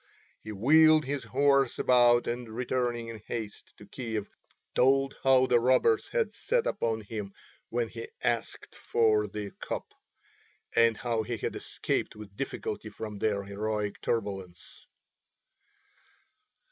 He wheeled his horse about and returning in haste to Kiev told how the robbers had set upon him when he asked for the cup, and how he had escaped with difficulty from their heroic turbulence.